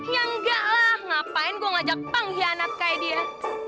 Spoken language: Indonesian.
ya enggak lah ngapain gue ngajak pengkhianat kayak dia